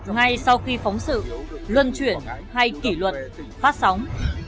ngay sau khi phóng sự luân chuyển hay kỷ luật phát sóng